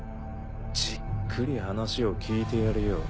じっくり話を聞いてやるよ。